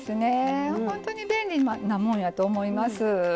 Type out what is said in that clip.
本当に便利なもんやと思います。